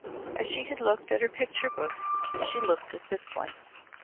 As she had looked at her picture books she looked at this one.